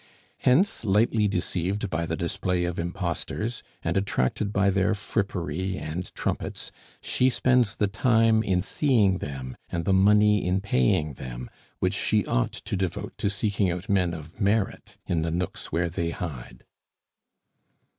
Hence, lightly deceived by the display of impostors, and attracted by their frippery and trumpets, she spends the time in seeing them and the money in paying them which she ought to devote to seeking out men of merit in the nooks where they hide.